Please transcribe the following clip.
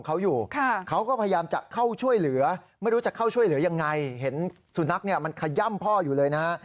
ไม่รู้จะเข้าช่วยเหลือยังไงเห็นสุนัขมันขย่ำพ่ออยู่เลยนะฮะ